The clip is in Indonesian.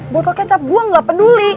botol kecap gue gak peduli